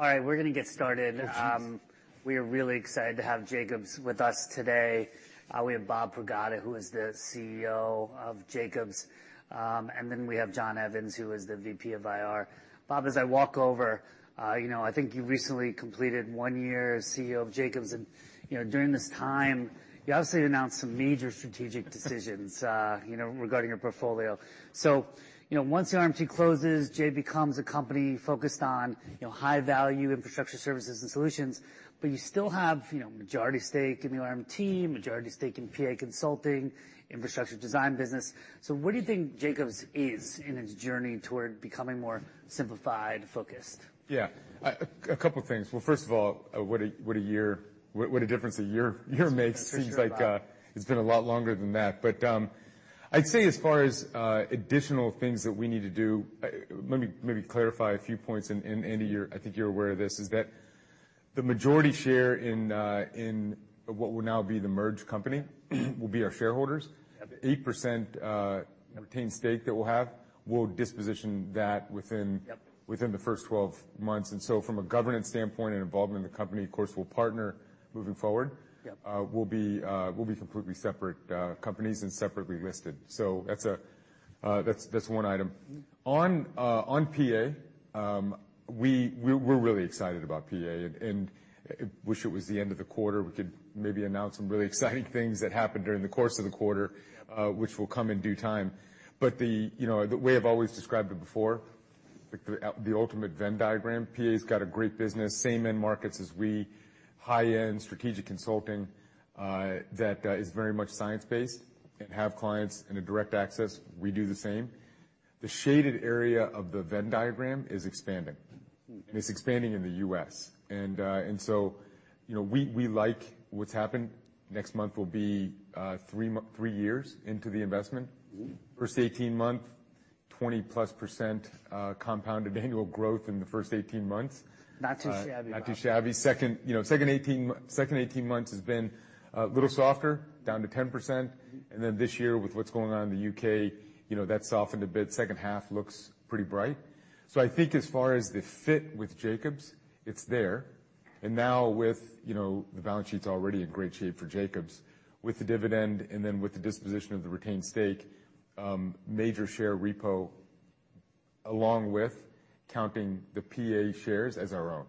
All right, we're going to get started. We are really excited to have Jacobs with us today. We have Bob Pragada, who is the CEO of Jacobs, and then we have Jon Evans, who is the VP of IR. Bob, as I walk over, I think you recently completed one year as CEO of Jacobs. And during this time, you obviously announced some major strategic decisions regarding your portfolio. So once the RMT closes, Jacobs becomes a company focused on high-value infrastructure services and solutions, but you still have majority stake in the RMT, majority stake in PA Consulting, infrastructure design business. So what do you think Jacobs is in its journey toward becoming more simplified, focused? Yeah, a couple of things. Well, first of all, what a year, what a difference a year makes. Seems like it's been a lot longer than that. But I'd say as far as additional things that we need to do, let me maybe clarify a few points. And Andrew, I think you're aware of this, is that the majority share in what will now be the merged company will be our shareholders. 8% retained stake that we'll have will disposition that within the first 12 months. And so from a governance standpoint and involvement in the company, of course, we'll partner moving forward. We'll be completely separate companies and separately listed. So that's one item. On PA, we're really excited about PA and wish it was the end of the quarter. We could maybe announce some really exciting things that happened during the course of the quarter, which will come in due time. But the way I've always described it before, the ultimate Venn diagram, PA has got a great business, same end markets as we, high-end strategic consulting that is very much science-based and have clients in a direct access. We do the same. The shaded area of the Venn diagram is expanding, and it's expanding in the U.S. And so we like what's happened. Next month will be three years into the investment, first 18 months, 20%+ compounded annual growth in the first 18 months. Not too shabby. Not too shabby. Second 18 months has been a little softer, down to 10%. And then this year, with what's going on in the U.K., that softened a bit. Second half looks pretty bright. So I think as far as the fit with Jacobs, it's there. And now with the balance sheet's already in great shape for Jacobs with the dividend and then with the disposition of the retained stake, major share repo along with counting the PA shares as our own.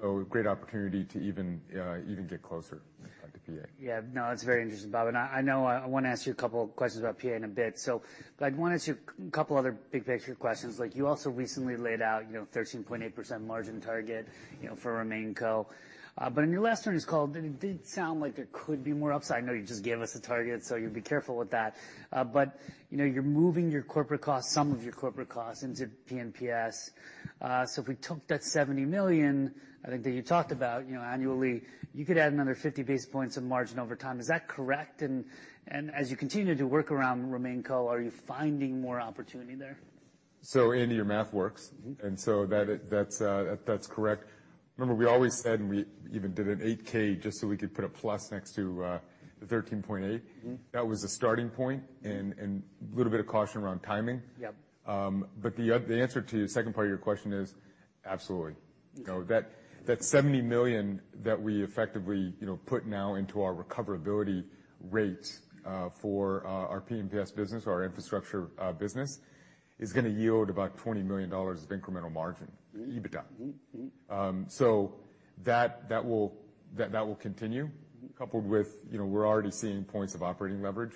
So great opportunity to even get closer to PA. Yeah, no, it's very interesting, Bob. And I know I want to ask you a couple of questions about PA in a bit. But I'd want to ask you a couple of other big picture questions. You also recently laid out a 13.8% margin target for RemainCo. But in your last turn, it sounded like there could be more upside. I know you just gave us a target, so you'd be careful with that. But you're moving your corporate costs, some of your corporate costs, into P&PS. So if we took that $70 million, I think that you talked about annually, you could add another 50 basis points of margin over time. Is that correct? And as you continue to work around RemainCo, are you finding more opportunity there? So Andy, your math works. And so that's correct. Remember, we always said and we even did an 8-K just so we could put a plus next to the 13.8. That was a starting point and a little bit of caution around timing. But the answer to the second part of your question is absolutely. That $70 million that we effectively put now into our recoverability rate for our P&PS business, our infrastructure business, is going to yield about $20 million of incremental margin, EBITDA. So that will continue, coupled with we're already seeing points of operating leverage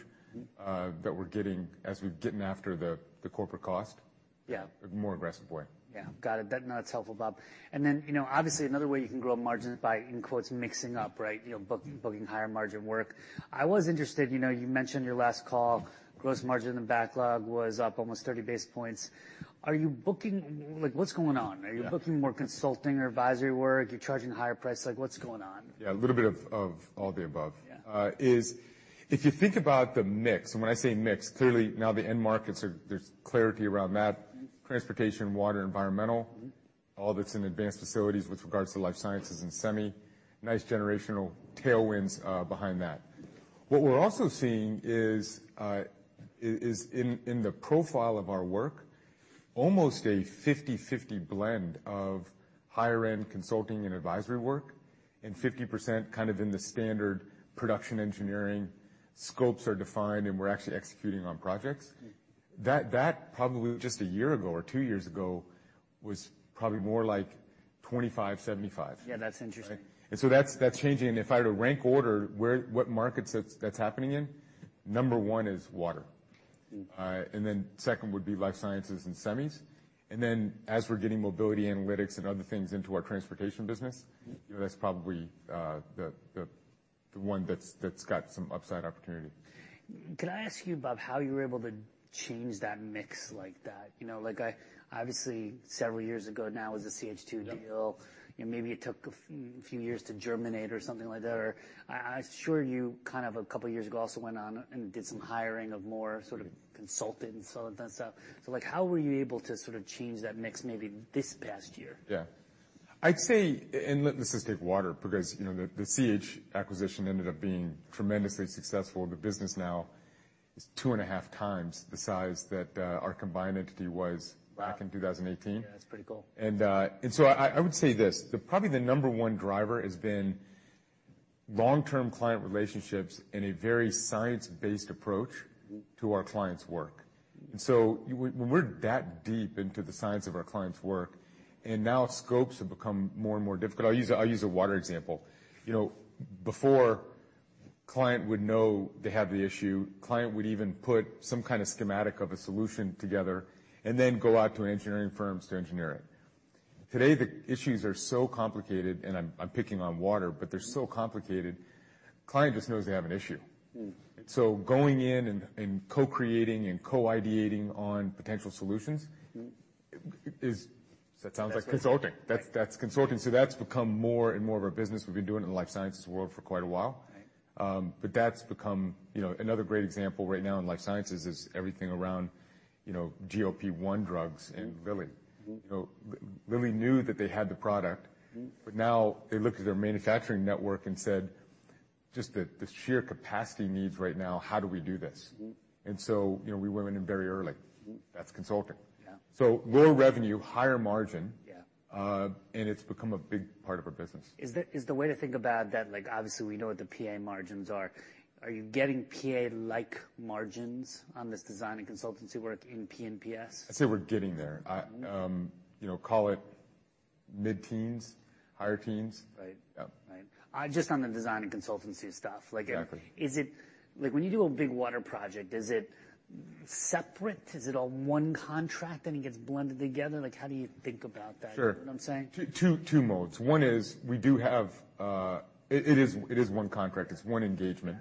that we're getting as we're getting after the corporate cost in a more aggressive way. Yeah, got it. That's helpful, Bob. And then obviously, another way you can grow margins is by, in quotes, mixing up, right, booking higher margin work. I was interested. You mentioned your last call, gross margin in the backlog was up almost 30 basis points. What's going on? Are you booking more consulting or advisory work? You're charging higher price. What's going on? Yeah, a little bit of all the above is if you think about the mix. And when I say mix, clearly now the end markets, there's clarity around that, transportation, water, environmental, all that's in advanced facilities with regards to life sciences and semi, nice generational tailwinds behind that. What we're also seeing is in the profile of our work, almost a 50/50 blend of higher-end consulting and advisory work and 50% kind of in the standard production engineering scopes are defined and we're actually executing on projects. That probably just a year ago or two years ago was probably more like 25/75. Yeah, that's interesting. And so that's changing. And if I were to rank order what markets that's happening in, number one is water. And then second would be life sciences and semis. And then as we're getting mobility analytics and other things into our transportation business, that's probably the one that's got some upside opportunity. Can I ask you, Bob, how you were able to change that mix like that? Obviously, several years ago now was a CH2M deal. Maybe it took a few years to germinate or something like that. Or I'm sure you kind of a couple of years ago also went on and did some hiring of more sort of consultants and stuff. So how were you able to sort of change that mix maybe this past year? Yeah, I'd say, let's just take water because the CH acquisition ended up being tremendously successful. The business now is two and a half times the size that our combined entity was back in 2018. Yeah, that's pretty cool. And so I would say this, probably the number one driver has been long-term client relationships and a very science-based approach to our clients' work. And so when we're that deep into the science of our clients' work and now scopes have become more and more difficult, I'll use a water example. Before, client would know they have the issue. Client would even put some kind of schematic of a solution together and then go out to engineering firms to engineer it. Today, the issues are so complicated, and I'm picking on water, but they're so complicated, client just knows they have an issue. So going in and co-creating and co-ideating on potential solutions is, that sounds like consulting. That's consulting. So that's become more and more of our business. We've been doing it in the life sciences world for quite a while. That's become another great example right now in life sciences: everything around GLP-1 drugs and Lilly. Lilly knew that they had the product, but now they looked at their manufacturing network and said, just the sheer capacity needs right now, how do we do this? We went in very early. That's consulting. Lower revenue, higher margin, and it's become a big part of our business. Is the way to think about that, obviously, we know what the PA margins are. Are you getting PA-like margins on this design and consultancy work in P&PS? I'd say we're getting there. Call it mid-teens, higher teens. Right. Just on the design and consultancy stuff. When you do a big water project, is it separate? Is it all one contract and it gets blended together? How do you think about that? You know what I'm saying? Two modes. One is we do have it is one contract. It's one engagement.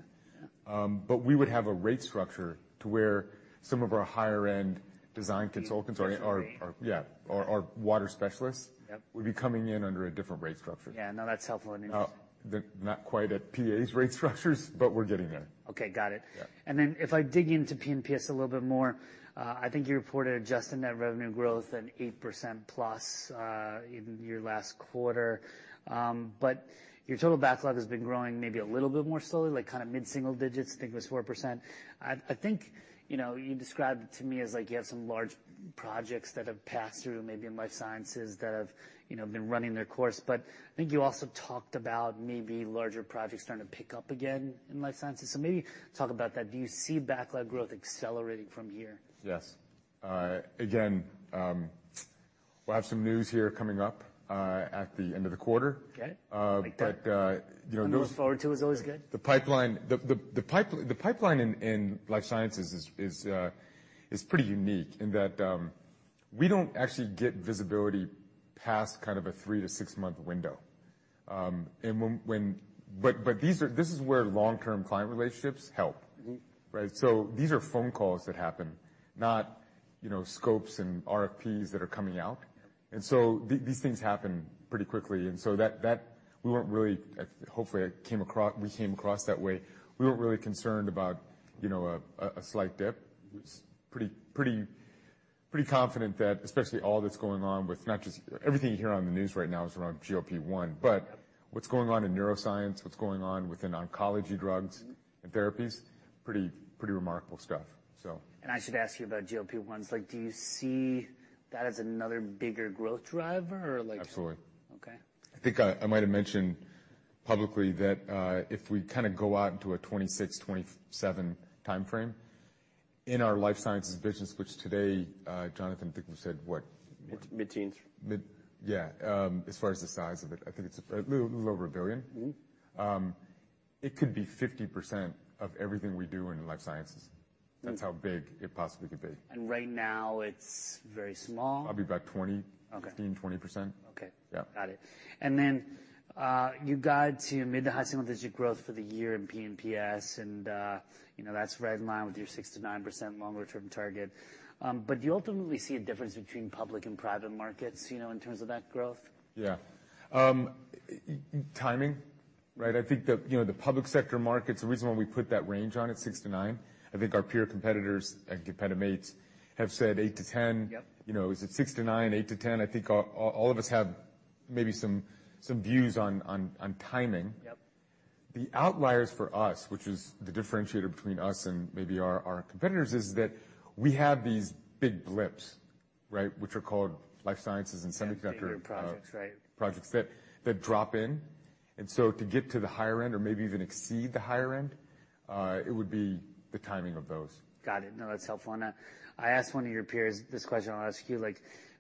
But we would have a rate structure to where some of our higher-end design consultants or, yeah, our water specialists would be coming in under a different rate structure. Yeah, no, that's helpful and interesting. Not quite at PA's rate structures, but we're getting there. Okay, got it. And then if I dig into P&PS a little bit more, I think you reported adjusting net revenue growth an 8%+ in your last quarter. But your total backlog has been growing maybe a little bit more slowly, kind of mid-single digits. I think it was 4%. I think you described it to me as you have some large projects that have passed through, maybe in life sciences, that have been running their course. But I think you also talked about maybe larger projects starting to pick up again in life sciences. So maybe talk about that. Do you see backlog growth accelerating from here? Yes. Again, we'll have some news here coming up at the end of the quarter. Okay. I look forward to it. It's always good. The pipeline in life sciences is pretty unique in that we don't actually get visibility past kind of a 3-6-month window. But this is where long-term client relationships help, right? So these are phone calls that happen, not scopes and RFPs that are coming out. And so these things happen pretty quickly. And so we weren't really hopefully, we came across that way. We weren't really concerned about a slight dip. Pretty confident that, especially all that's going on with not just everything you hear on the news right now is around GLP-1, but what's going on in neuroscience, what's going on within oncology drugs and therapies, pretty remarkable stuff, so. I should ask you about GLP-1s. Do you see that as another bigger growth driver or? Absolutely. I think I might have mentioned publicly that if we kind of go out into a 2026, 2027 time frame in our life sciences business, which today, Jonathan, I think we said what? Mid-teens. Yeah, as far as the size of it, I think it's a little over $1 billion. It could be 50% of everything we do in life sciences. That's how big it possibly could be. Right now, it's very small. Probably about 15%-20%. Okay, got it. And then you got to mid- to high single-digit growth for the year in P&PS, and that's right in line with your 6%-9% longer-term target. But do you ultimately see a difference between public and private markets in terms of that growth? Yeah. Timing, right? I think the public sector markets, the reason why we put that range on at 6-9, I think our peer competitors and competitors have said 8-10. Is it 6-9, 8-10? I think all of us have maybe some views on timing. The outliers for us, which is the differentiator between us and maybe our competitors, is that we have these big blips, right, which are called life sciences and semiconductor. Bigger projects, right. Projects that drop in. So to get to the higher end or maybe even exceed the higher end, it would be the timing of those. Got it. No, that's helpful. I asked one of your peers this question. I'll ask you,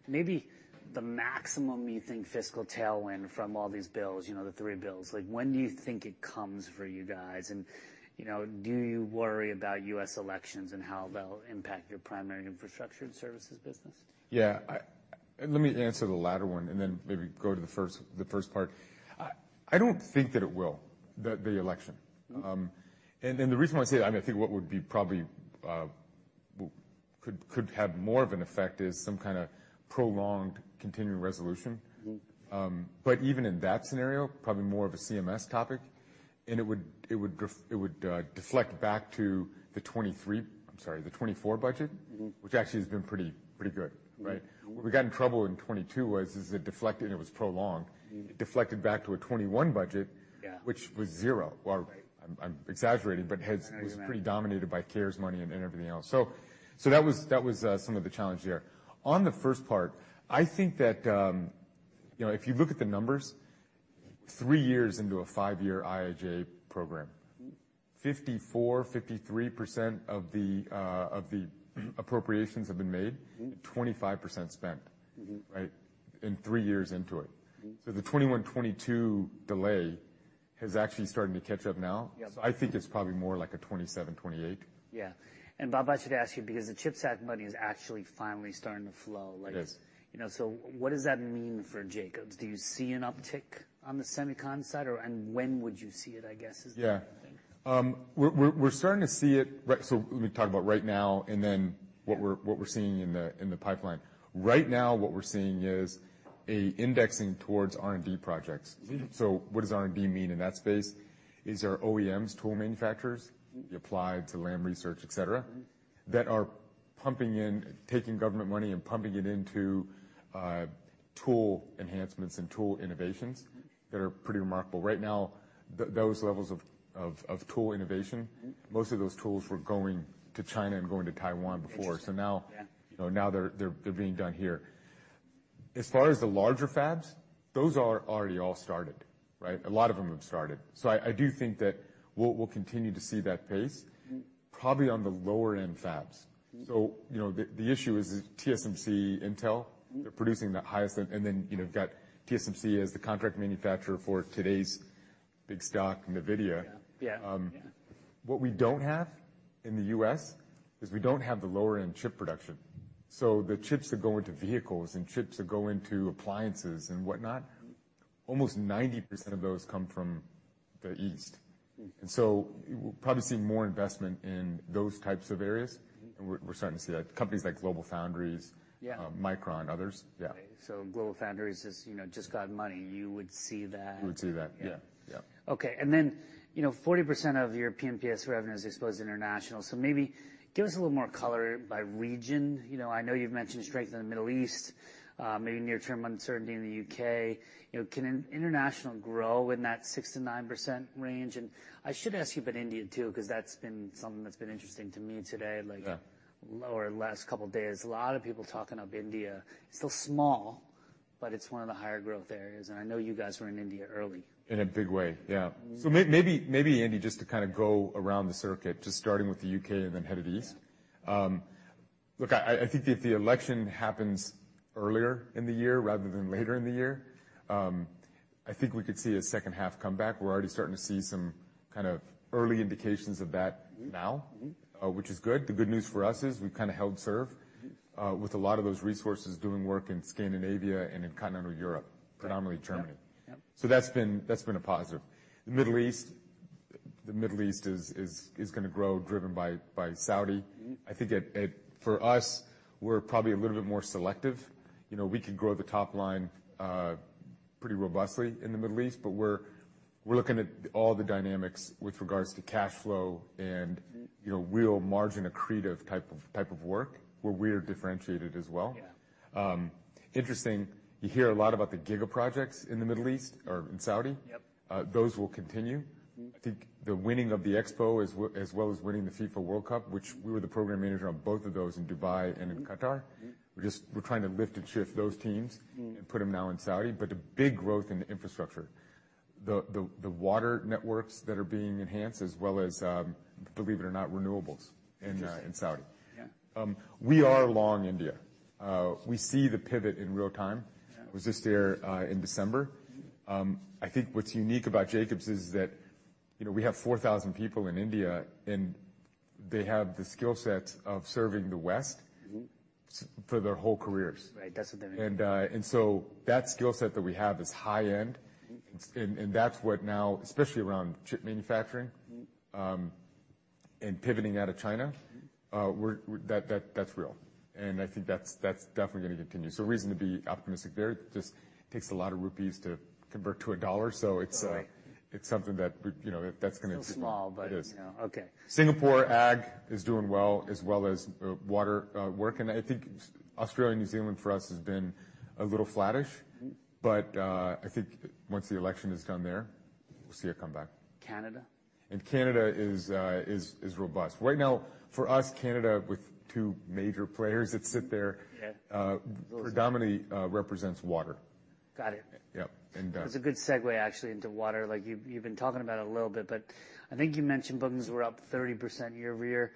maybe the maximum you think fiscal tailwind from all these bills, the three bills, when do you think it comes for you guys? Do you worry about U.S. elections and how they'll impact your primary infrastructure and services business? Yeah, let me answer the latter one and then maybe go to the first part. I don't think that it will, the election. And the reason why I say that, I mean, I think what would be probably could have more of an effect is some kind of prolonged continuing resolution. But even in that scenario, probably more of a CMS topic. And it would deflect back to the 2023. I'm sorry, the 2024 budget, which actually has been pretty good, right? What we got in trouble in 2022 was it deflected and it was prolonged. It deflected back to a 2021 budget, which was zero. I'm exaggerating, but it was pretty dominated by CARES money and everything else. So that was some of the challenge there. On the first part, I think that if you look at the numbers, 3 years into a 5-year IIJA program, 54%-53% of the appropriations have been made, 25% spent, right, in 3 years into it. So I think it's probably more like 2027-2028. Yeah. And Bob, I should ask you, because the CHIPS Act money is actually finally starting to flow. So what does that mean for Jacobs? Do you see an uptick on the semiconductor side? And when would you see it, I guess, is the thing? Yeah. We're starting to see it, so let me talk about right now and then what we're seeing in the pipeline. Right now, what we're seeing is an indexing towards R&D projects. So what does R&D mean in that space? It's our OEMs, tool manufacturers, you apply to Lam Research, etc., that are pumping in, taking government money and pumping it into tool enhancements and tool innovations that are pretty remarkable. Right now, those levels of tool innovation, most of those tools were going to China and going to Taiwan before. So now they're being done here. As far as the larger fabs, those are already all started, right? A lot of them have started. So I do think that we'll continue to see that pace, probably on the lower-end fabs. So the issue is TSMC, Intel, they're producing the highest. Then you've got TSMC as the contract manufacturer for today's big stock, NVIDIA. What we don't have in the U.S. is we don't have the lower-end chip production. So the chips that go into vehicles and chips that go into appliances and whatnot, almost 90% of those come from the East. And so we'll probably see more investment in those types of areas. And we're starting to see that. Companies like GlobalFoundries, Micron, others. Yeah. Okay. So GlobalFoundries has just gotten money. You would see that? You would see that. Yeah. Yeah. Okay. And then 40% of your P&PS revenue is exposed internationally. So maybe give us a little more color by region. I know you've mentioned strength in the Middle East, maybe near-term uncertainty in the U.K.. Can international grow in that 6%-9% range? And I should ask you about India too, because that's been something that's been interesting to me today, like last couple of days. A lot of people talking about India. It's still small, but it's one of the higher growth areas. And I know you guys were in India early. In a big way. Yeah. So maybe, Andy, just to kind of go around the circuit, just starting with the U.K. and then headed east. Look, I think if the election happens earlier in the year rather than later in the year, I think we could see a second-half comeback. We're already starting to see some kind of early indications of that now, which is good. The good news for us is we've kind of held serve with a lot of those resources doing work in Scandinavia and in continental Europe, predominantly Germany. So that's been a positive. The Middle East is going to grow driven by Saudi. I think for us, we're probably a little bit more selective. We can grow the top line pretty robustly in the Middle East, but we're looking at all the dynamics with regards to cash flow and real margin accretive type of work where we are differentiated as well. Interesting. You hear a lot about the giga projects in the Middle East or in Saudi. Those will continue. I think the winning of the Expo as well as winning the FIFA World Cup, which we were the program manager on both of those in Dubai and in Qatar. We're trying to lift and shift those teams and put them now in Saudi. But the big growth in infrastructure, the water networks that are being enhanced, as well as, believe it or not, renewables in Saudi. We are long India. We see the pivot in real time. I was just there in December. I think what's unique about Jacobs is that we have 4,000 people in India, and they have the skill sets of serving the West for their whole careers. Right. That's what they mean. That skill set that we have is high-end. That's what now, especially around chip manufacturing and pivoting out of China, that's real. I think that's definitely going to continue. Reason to be optimistic there. It just takes a lot of rupees to convert to a dollar. It's something that's going to. It's still small, but it is. Okay. Singapore ops is doing well, as well as water work. I think Australia and New Zealand for us has been a little flattish. I think once the election is done there, we'll see a comeback. Canada? Canada is robust. Right now, for us, Canada with two major players that sit there predominantly represents water. Got it. That's a good segue, actually, into water. You've been talking about it a little bit, but I think you mentioned bookings were up 30% year-over-year.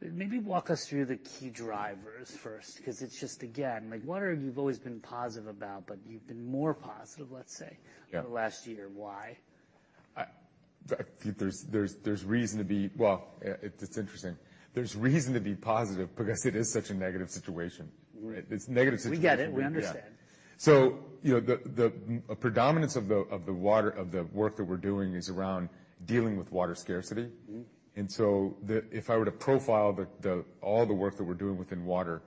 Maybe walk us through the key drivers first, because it's just, again, water you've always been positive about, but you've been more positive, let's say, for the last year. Why? There's reason to be well, it's interesting. There's reason to be positive because it is such a negative situation, right? It's a negative situation. We get it. We understand. So the predominance of the work that we're doing is around dealing with water scarcity. And so if I were to profile all the work that we're doing within water,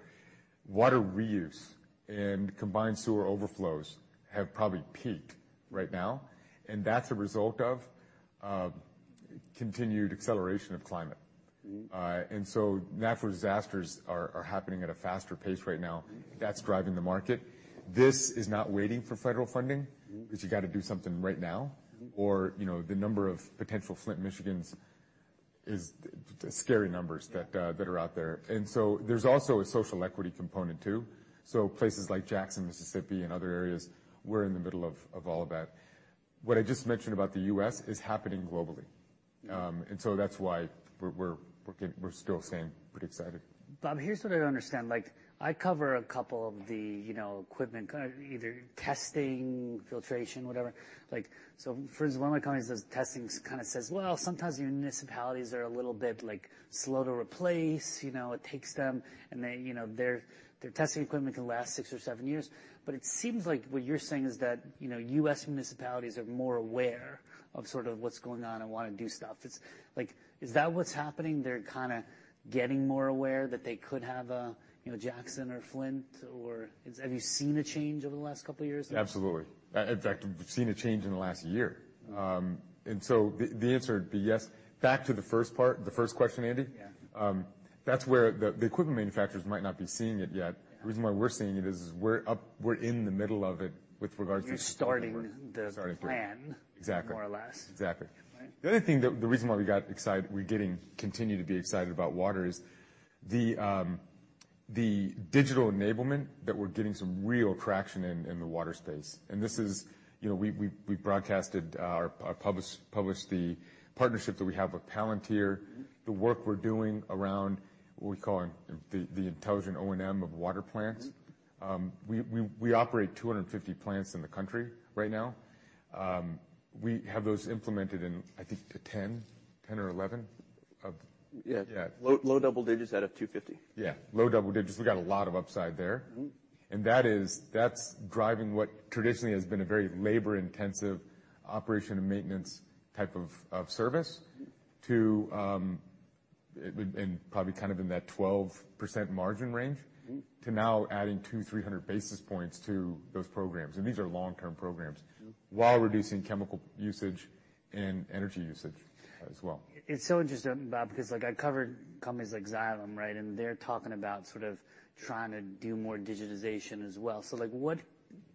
water reuse and combined sewer overflows have probably peaked right now. And that's a result of continued acceleration of climate. And so natural disasters are happening at a faster pace right now. That's driving the market. This is not waiting for federal funding because you got to do something right now. Or the number of potential Flint, Michigan's is scary numbers that are out there. And so there's also a social equity component too. So places like Jackson, Mississippi, and other areas, we're in the middle of all of that. What I just mentioned about the U.S. is happening globally. And so that's why we're still staying pretty excited. Bob, here's what I don't understand. I cover a couple of the equipment, either testing, filtration, whatever. So for instance, one of my companies does testing kind of says, "Well, sometimes your municipalities are a little bit slow to replace. It takes them." And their testing equipment can last six or seven years. But it seems like what you're saying is that U.S. municipalities are more aware of sort of what's going on and want to do stuff. Is that what's happening? They're kind of getting more aware that they could have a Jackson or Flint, or have you seen a change over the last couple of years? Absolutely. In fact, we've seen a change in the last year. And so the answer would be yes. Back to the first part, the first question, Andy, that's where the equipment manufacturers might not be seeing it yet. The reason why we're seeing it is we're in the middle of it with regards to. You're starting the plan, more or less. Exactly. The other thing, the reason why we're continuing to be excited about water is the digital enablement that we're getting some real traction in the water space. And we've broadcasted, published the partnership that we have with Palantir. The work we're doing around what we call the intelligent O&M of water plants. We operate 250 plants in the country right now. We have those implemented in, I think, 10 or 11 of. Yeah. Low double digits out of 250. Yeah. Low double digits. We got a lot of upside there. And that's driving what traditionally has been a very labor-intensive operation and maintenance type of service to and probably kind of in that 12% margin range to now adding 200-300 basis points to those programs. And these are long-term programs while reducing chemical usage and energy usage as well. It's so interesting, Bob, because I covered companies like Xylem, right? And they're talking about sort of trying to do more digitization as well. So what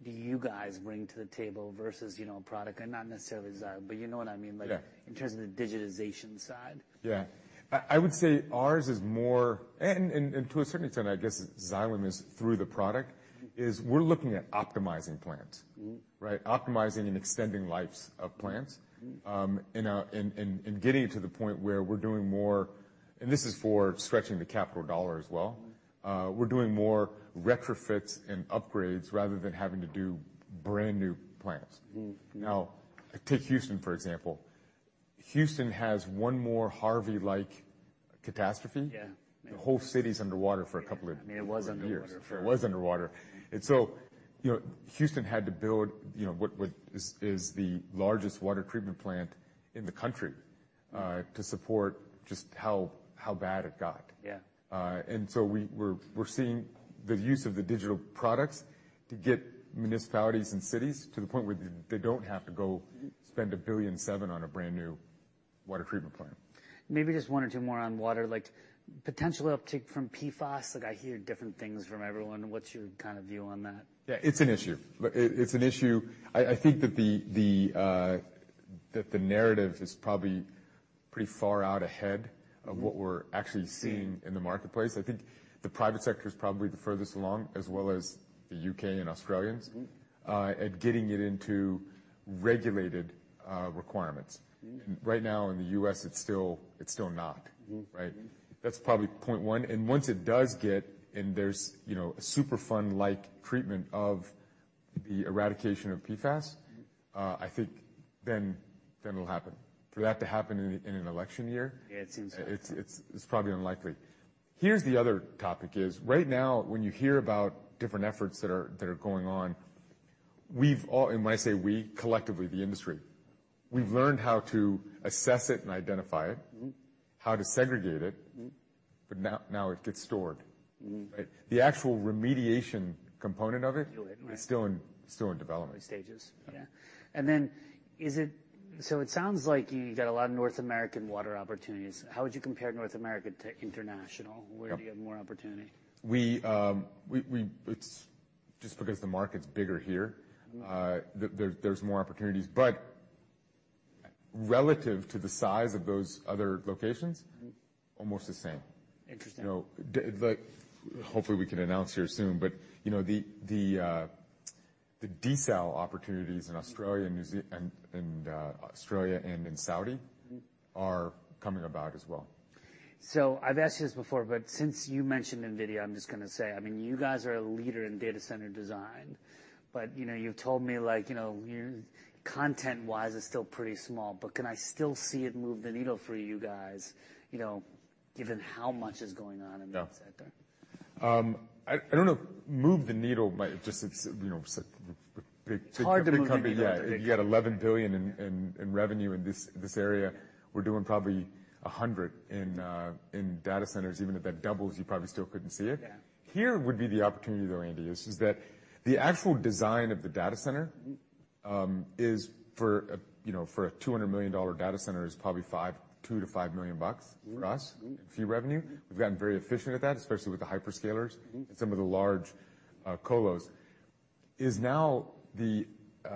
do you guys bring to the table versus a product? And not necessarily Xylem, but you know what I mean in terms of the digitization side? Yeah. I would say ours is more and to a certain extent, I guess Xylem is through the product, is we're looking at optimizing plants, right? Optimizing and extending lives of plants and getting it to the point where we're doing more and this is for stretching the capital dollar as well. We're doing more retrofits and upgrades rather than having to do brand new plants. Now, take Houston, for example. Houston has one more Harvey-like catastrophe. The whole city's underwater for a couple of years. I mean, it was underwater. It was underwater. And so Houston had to build what is the largest water treatment plant in the country to support just how bad it got. And so we're seeing the use of the digital products to get municipalities and cities to the point where they don't have to go spend $1.7 billion on a brand new water treatment plant. Maybe just one or two more on water, potential uptick from PFAS. I hear different things from everyone. What's your kind of view on that? Yeah. It's an issue. It's an issue. I think that the narrative is probably pretty far out ahead of what we're actually seeing in the marketplace. I think the private sector is probably the furthest along, as well as the U.K. and Australians, at getting it into regulated requirements. Right now, in the U.S., it's still not, right? That's probably point one. And once it does get and there's a superfund-like treatment of the eradication of PFAS, I think then it'll happen. For that to happen in an election year, it's probably unlikely. Here's the other topic is, right now, when you hear about different efforts that are going on, we've all and when I say we, collectively, the industry, we've learned how to assess it and identify it, how to segregate it. But now it gets stored, right? The actual remediation component of it is still in development. Stages. Yeah. Then, so it sounds like you got a lot of North American water opportunities. How would you compare North America to international? Where do you have more opportunity? Just because the market's bigger here, there's more opportunities. But relative to the size of those other locations, almost the same. Hopefully, we can announce here soon, but the desal opportunities in Australia and in Saudi are coming about as well. So I've asked you this before, but since you mentioned NVIDIA, I'm just going to say, I mean, you guys are a leader in data center design, but you've told me content-wise is still pretty small. But can I still see it move the needle for you guys, given how much is going on in that sector? I don't know if move the needle might just—it's a big company. Yeah. If you've got $11 billion in revenue in this area, we're doing probably $100 million in data centers. Even if that doubles, you probably still couldn't see it. Here would be the opportunity, though, Andy, is that the actual design of the data center for a $200 million data center is probably $2 million-$5 million bucks for us in fee revenue. We've gotten very efficient at that, especially with the hyperscalers and some of the large colos. Is now the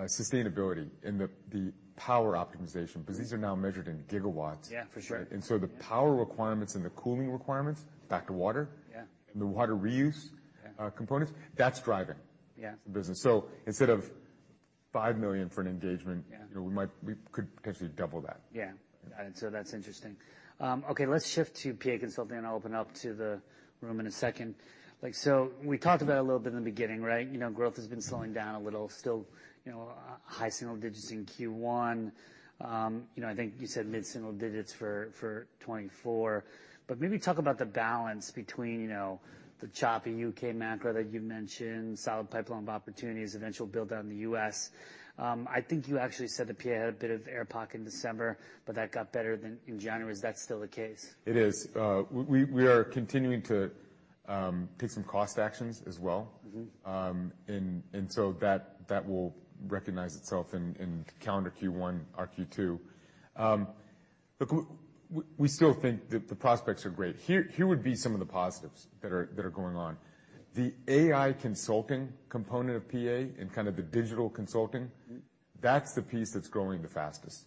sustainability and the power optimization, because these are now measured in gigawatts, right? And so the power requirements and the cooling requirements back to water and the water reuse components, that's driving the business. So instead of $5 million for an engagement, we could potentially double that. Yeah. Got it. So that's interesting. Okay. Let's shift to PA Consulting, and I'll open up to the room in a second. So we talked about it a little bit in the beginning, right? Growth has been slowing down a little, still high single digits in Q1. I think you said mid-single digits for 2024. But maybe talk about the balance between the choppy U.K. macro that you mentioned, solid pipeline opportunities, eventual buildout in the U.S. I think you actually said that PA had a bit of air pocket in December, but that got better than in January. Is that still the case? It is. We are continuing to take some cost actions as well. And so that will recognize itself in calendar Q1, our Q2. We still think that the prospects are great. Here would be some of the positives that are going on. The AI consulting component of PA and kind of the digital consulting, that's the piece that's growing the fastest.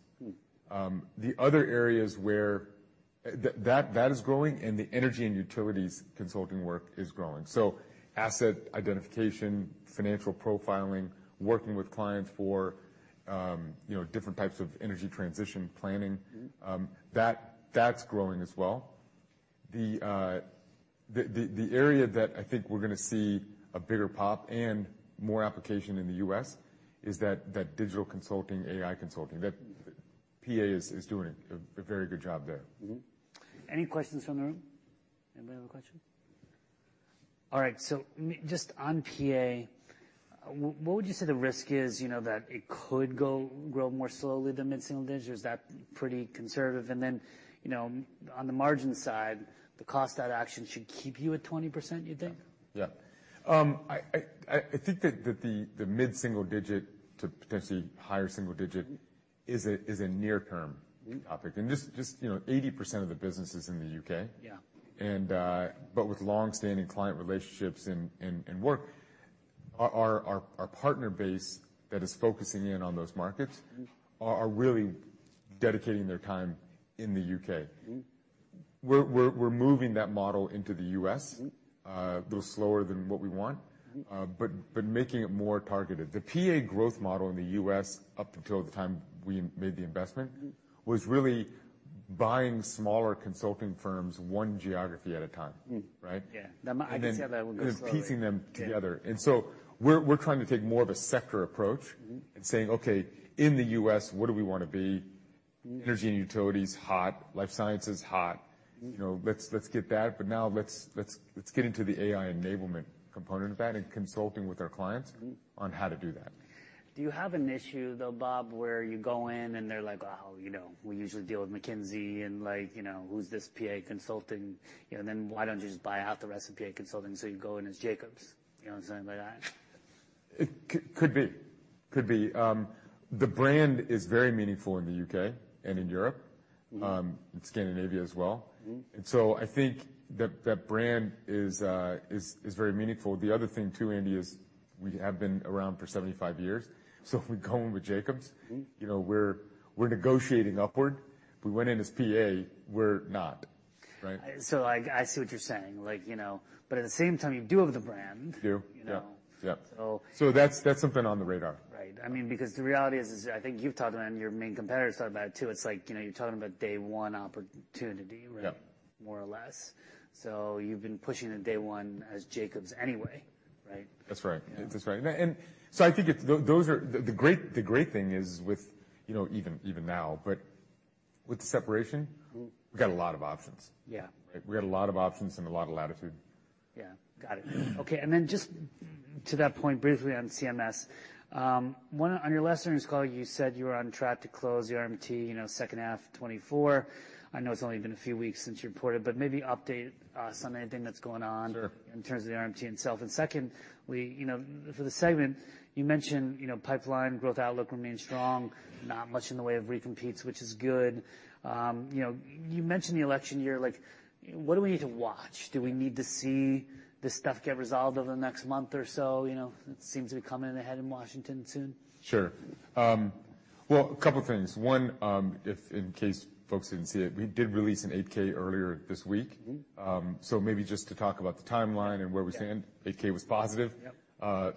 The other areas where that is growing and the energy and utilities consulting work is growing. So asset identification, financial profiling, working with clients for different types of energy transition planning, that's growing as well. The area that I think we're going to see a bigger pop and more application in the U.S. is that digital consulting, AI consulting. PA is doing a very good job there. Any questions from the room? Anybody have a question? All right. So just on PA, what would you say the risk is that it could grow more slowly than mid-single digits? Is that pretty conservative? And then on the margin side, the cost out of action should keep you at 20%, you think? Yeah. I think that the mid-single digit to potentially higher single digit is a near-term topic. And just 80% of the business is in the U.K. But with long-standing client relationships and work, our partner base that is focusing in on those markets are really dedicating their time in the U.K. We're moving that model into the U.S., a little slower than what we want, but making it more targeted. The PA growth model in the U.S., up until the time we made the investment, was really buying smaller consulting firms one geography at a time, right? Yeah. I can see how that would go slowly. And then piecing them together. And so we're trying to take more of a sector approach and saying, "Okay, in the U.S., what do we want to be? Energy and utilities hot, life sciences hot. Let's get that. But now let's get into the AI enablement component of that and consulting with our clients on how to do that. Do you have an issue, though, Bob, where you go in and they're like, "Oh, we usually deal with McKinsey, and who's this PA Consulting?" And then why don't you just buy out the rest of PA Consulting so you go in as Jacobs? You know what I'm saying? It could be. Could be. The brand is very meaningful in the U.K. and in Europe and Scandinavia as well. And so I think that brand is very meaningful. The other thing too, Andy, is we have been around for 75 years. So if we go in with Jacobs, we're negotiating upward. If we went in as PA, we're not, right? I see what you're saying. But at the same time, you do have the brand. You do. Yeah. So that's something on the radar. Right. I mean, because the reality is, I think you've talked about it, and your main competitors talk about it too. It's like you're talking about day one opportunity, right, more or less. So you've been pushing at day one as Jacobs anyway, right? That's right. That's right. And so I think the great thing is with even now, but with the separation, we got a lot of options, right? We got a lot of options and a lot of latitude. Yeah. Got it. Okay. And then just to that point, briefly on CMS, on your last earnings call, you said you were on track to close the RMT second half 2024. I know it's only been a few weeks since you reported, but maybe update us on anything that's going on in terms of the RMT itself. And secondly, for the segment, you mentioned pipeline growth outlook remains strong, not much in the way of recompetes, which is good. You mentioned the election year. What do we need to watch? Do we need to see this stuff get resolved over the next month or so? It seems to be coming in ahead in Washington soon. Sure. Well, a couple of things. One, in case folks didn't see it, we did release an 8-K earlier this week. So maybe just to talk about the timeline and where we stand, 8-K was positive.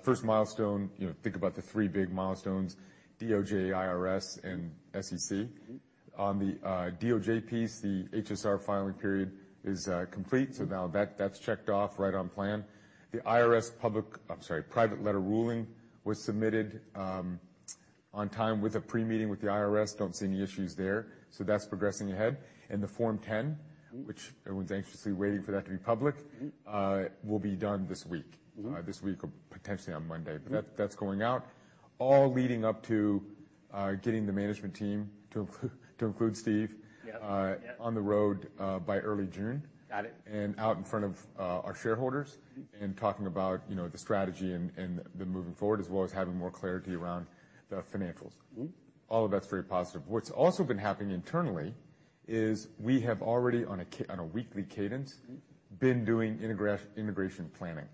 First milestone, think about the three big milestones: DOJ, IRS, and SEC. On the DOJ piece, the HSR filing period is complete. So now that's checked off right on plan. The IRS public, I'm sorry, private letter ruling was submitted on time with a pre-meeting with the IRS. Don't see any issues there. So that's progressing ahead. And the Form 10, which everyone's anxiously waiting for that to be public, will be done this week, potentially on Monday. But that's going out, all leading up to getting the management team, to include Steve, on the road by early June and out in front of our shareholders and talking about the strategy and the moving forward, as well as having more clarity around the financials. All of that's very positive. What's also been happening internally is we have already, on a weekly cadence, been doing integration planning,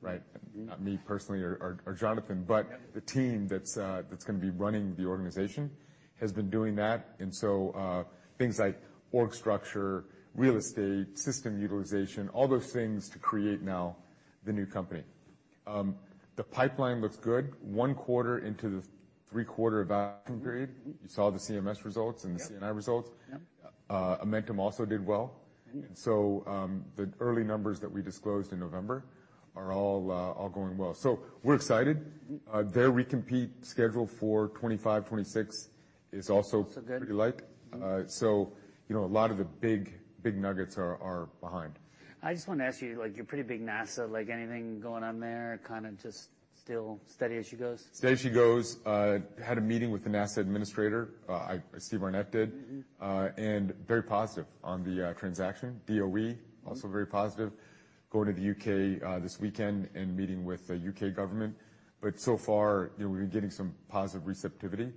right? Not me personally or Jonathan, but the team that's going to be running the organization has been doing that. And so things like org structure, real estate, system utilization, all those things to create now the new company. The pipeline looks good. One quarter into the three-quarter evaluation period, you saw the CMS results and the C&Iresults. Amentum also did well. And so the early numbers that we disclosed in November are all going well. So we're excited. Their recompete schedule for 2025, 2026 is also pretty light. A lot of the big nuggets are behind. I just want to ask you, you're pretty big NASA. Anything going on there? Kind of just still steady as she goes? Steady as she goes. Had a meeting with the NASA administrator, Steve Arnette did, and very positive on the transaction. DOE, also very positive. Going to the U.K. this weekend and meeting with the U.K. government. But so far, we've been getting some positive receptivity.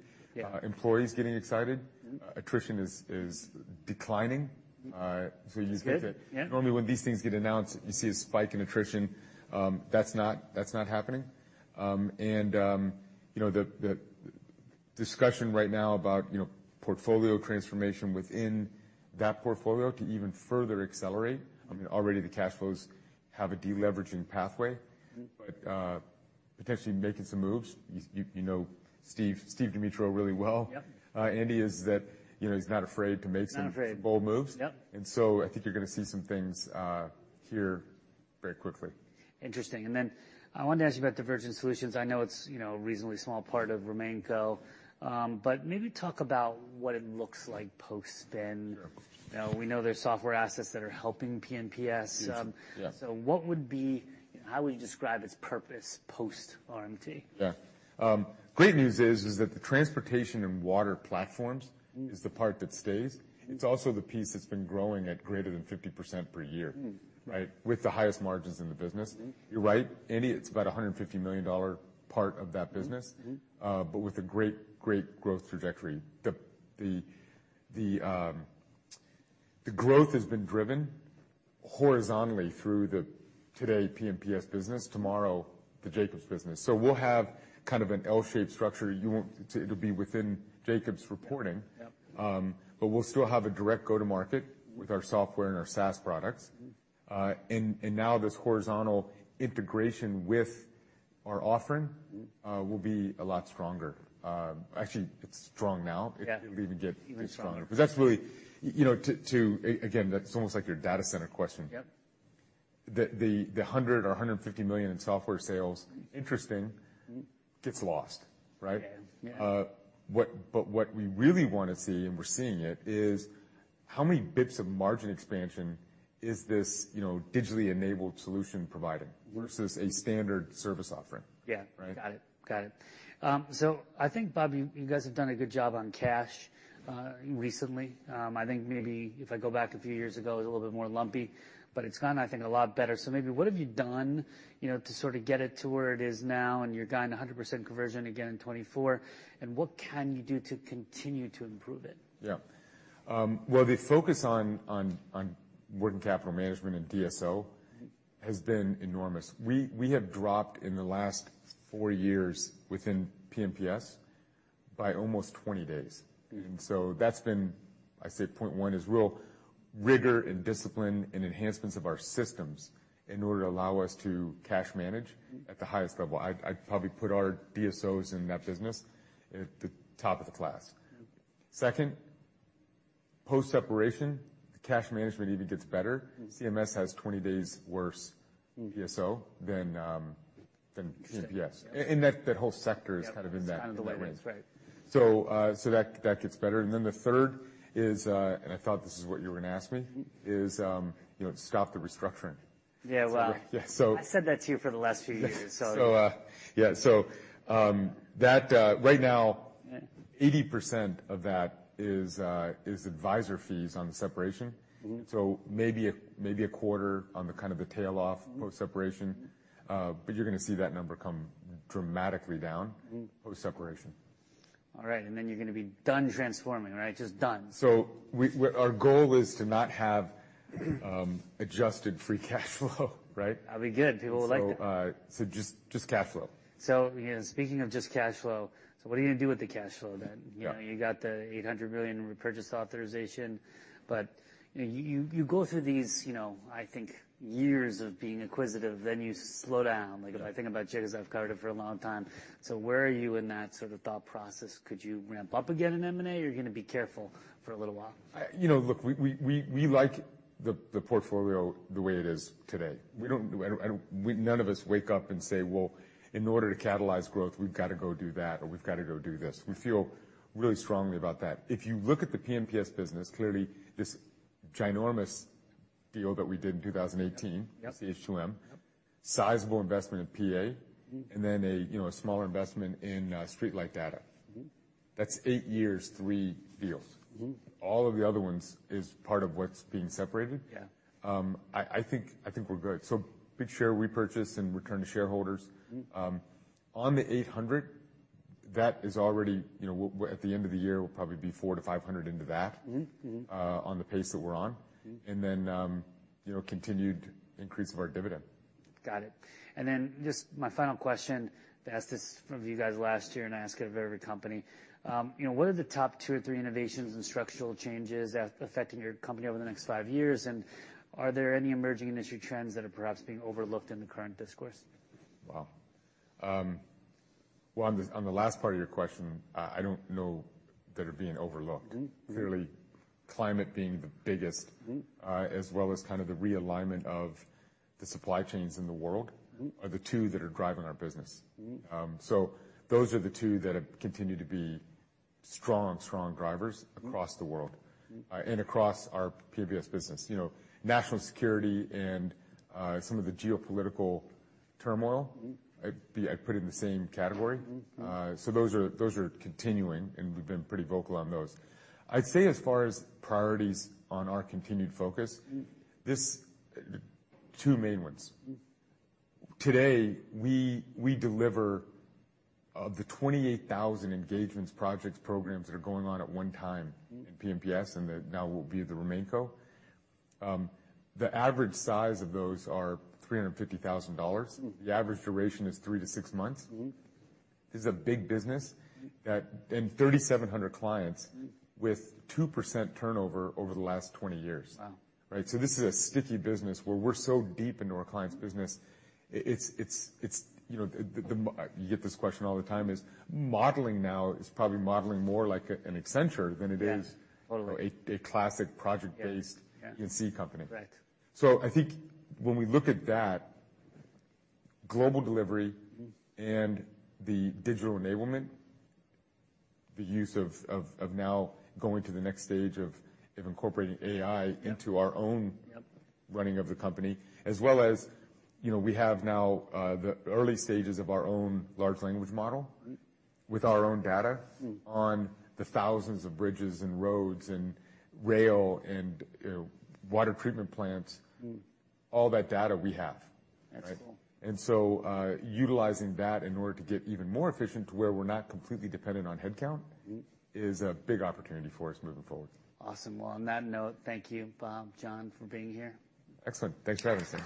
Employees getting excited. Attrition is declining. So you get to normally, when these things get announced, you see a spike in attrition. That's not happening. And the discussion right now about portfolio transformation within that portfolio to even further accelerate. I mean, already the cash flows have a deleveraging pathway, but potentially making some moves. You know Steve Demetriou really well. Andy is that he's not afraid to make some bold moves. And so I think you're going to see some things here very quickly. Interesting. Then I wanted to ask you about Divergent Solutions. I know it's a reasonably small part of RemainCo, but maybe talk about what it looks like post-SPIN. We know there's software assets that are helping P&PS. So, how would you describe its purpose post-RMT? Yeah. Great news is that the transportation and water platforms is the part that stays. It's also the piece that's been growing at greater than 50% per year, right, with the highest margins in the business. You're right, Andy. It's about a $150 million part of that business, but with a great, great growth trajectory. The growth has been driven horizontally through the today P&PS business, tomorrow the Jacobs business. So we'll have kind of an L-shaped structure. It'll be within Jacobs reporting, but we'll still have a direct go-to-market with our software and our SaaS products. And now this horizontal integration with our offering will be a lot stronger. Actually, it's strong now. It'll even get stronger. But that's really to again, that's almost like your data center question. The $100 million or $150 million in software sales, interesting, gets lost, right? But what we really want to see, and we're seeing it, is how many bits of margin expansion is this digitally-enabled solution providing versus a standard service offering, right? Yeah. Got it. Got it. So I think, Bob, you guys have done a good job on cash recently. I think maybe if I go back a few years ago, it was a little bit more lumpy, but it's gone, I think, a lot better. So maybe what have you done to sort of get it to where it is now and you're guiding 100% conversion again in 2024? And what can you do to continue to improve it? Yeah. Well, the focus on working capital management and DSO has been enormous. We have dropped in the last four years within P&PS by almost 20 days. And so that's been, I say, point one is real rigor and discipline and enhancements of our systems in order to allow us to cash manage at the highest level. I'd probably put our DSOs in that business at the top of the class. Second, post-separation, the cash management even gets better. CMS has 20 days worse DSO than P&PS. And that whole sector is kind of in that range. So that gets better. And then the third is, and I thought this is what you were going to ask me, is stop the restructuring. Yeah. Well, I said that to you for the last few years, so. Yeah. So right now, 80% of that is advisor fees on the separation. So maybe a quarter on the kind of the tail-off post-separation. But you're going to see that number come dramatically down post-separation. All right. Then you're going to be done transforming, right? Just done. Our goal is to not have adjusted free cash flow, right? That'll be good. People will like that. So just cash flow. So speaking of just cash flow, what are you going to do with the cash flow then? You got the $800 million repurchase authorization, but you go through these, I think, years of being acquisitive, then you slow down. If I think about Jacobs, I've covered it for a long time. So where are you in that sort of thought process? Could you ramp up again in M&A? You're going to be careful for a little while. Look, we like the portfolio the way it is today. None of us wake up and say, "Well, in order to catalyze growth, we've got to go do that," or "We've got to go do this." We feel really strongly about that. If you look at the P&PS business, clearly, this ginormous deal that we did in 2018, the H2M, sizable investment in PA, and then a smaller investment in StreetLight Data. That's 8 years, 3 deals. All of the other ones is part of what's being separated. I think we're good. So big share repurchase and return to shareholders. On the $800 million, that is already at the end of the year, we'll probably be $400 million-$500 million into that on the pace that we're on, and then continued increase of our dividend. Got it. And then just my final question, asked this from you guys last year, and I ask it of every company. What are the top two or three innovations and structural changes affecting your company over the next five years? And are there any emerging industry trends that are perhaps being overlooked in the current discourse? Wow. Well, on the last part of your question, I don't know that are being overlooked. Clearly, climate being the biggest, as well as kind of the realignment of the supply chains in the world are the two that are driving our business. So those are the two that continue to be strong, strong drivers across the world and across our P&PS business. National security and some of the geopolitical turmoil, I'd put it in the same category. So those are continuing, and we've been pretty vocal on those. I'd say as far as priorities on our continued focus, two main ones. Today, we deliver of the 28,000 engagements, projects, programs that are going on at one time in P&PS and that now will be the RemainCo, the average size of those are $350,000. The average duration is three to six months. This is a big business and 3,700 clients with 2% turnover over the last 20 years, right? So this is a sticky business where we're so deep into our client's business. You get this question all the time, is modeling now is probably modeling more like an Accenture than it is a classic project-based E&C company. So I think when we look at that, global delivery and the digital enablement, the use of now going to the next stage of incorporating AI into our own running of the company, as well as we have now the early stages of our own large language model with our own data on the thousands of bridges and roads and rail and water treatment plants, all that data we have, right? Utilizing that in order to get even more efficient to where we're not completely dependent on headcount is a big opportunity for us moving forward. Awesome. Well, on that note, thank you, Bob, Jon, for being here. Excellent. Thanks for having us, Andy.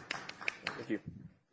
Thank you.